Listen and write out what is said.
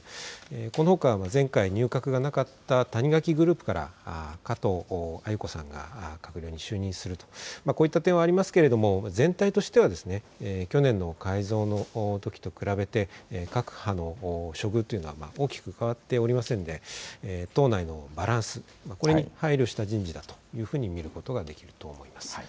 このほかは前回入閣がなかった谷垣グループから加藤鮎子さんが閣僚に就任するとこういった点はありますが全体としては去年の改造のときと比べて各派の処遇というのは大きく変わっておりませんで党内のバランス、これに配慮した人事だと見ることができると思います。